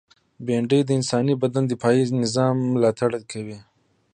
بېنډۍ د انساني بدن د دفاعي نظام ملاتړې ده